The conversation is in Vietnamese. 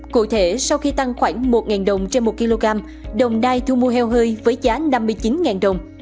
cụ thể sau khi tăng khoảng một ngàn đồng trên một kg đồng đai thu mua heo hơi với giá năm mươi chín ngàn đồng